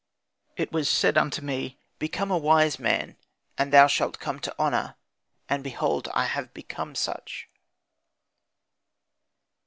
It was said unto me, 'Become a wise man, and thou shalt come to honour,' and behold I have become such."